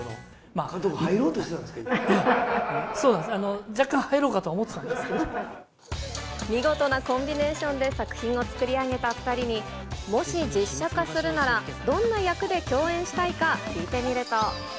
監督、入ろうとしてたんですそうなんです、若干、入ろう見事なコンビネーションで作品を作り上げた２人に、もし実写化するなら、どんな役で共演したいか聞いてみると。